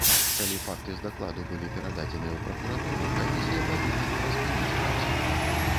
Калі факты з дакладу былі перададзеныя ў пракуратуру, камісія павінна была спыніць працу.